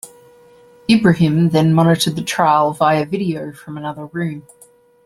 Ibrahim then monitored the trial via video from another room.